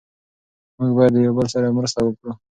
موږ باید د یو بل سره مرسته وکړو.